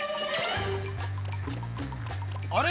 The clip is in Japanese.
あれ？